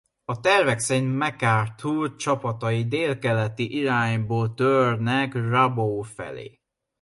A tervek szerint MacArthur csapatai délkeleti irányból törnek Rabaul felé.